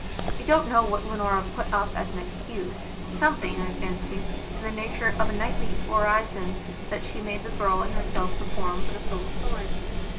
I don't know what Leonora put up as an excusesomething, I fancy, in the nature of a nightly orison that she made the girl and herself perform for the soul of Florence.